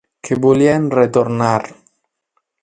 Què volia en retornar?